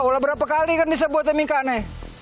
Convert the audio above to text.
lah berapa kali kan disebut ini kan nih